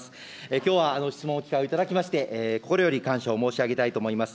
きょうは質問の機会を頂きまして、心より感謝を申し上げたいと思います。